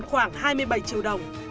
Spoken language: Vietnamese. khoảng hai mươi bảy triệu đồng